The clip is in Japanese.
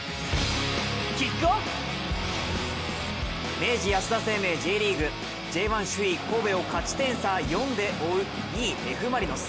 明治安田生命Ｊリーグ、Ｊ１首位神戸を勝ち点差４で追う、２位、Ｆ・マリノス。